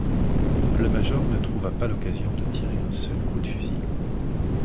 Le major ne trouva pas l’occasion de tirer un seul coup de fusil.